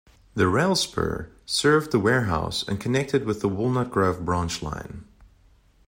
The rail spur served the warehouse and connected with the Walnut Grove Branch line.